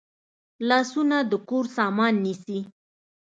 لاسونه د کور سامان نیسي